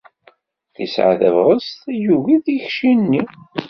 Yesεa tabɣest yugi tikci-nni.